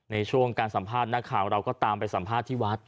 ในช่วงการสัมภาษณ์นักข่าวเราก็ตามไปสัมภาษณ์ที่วัด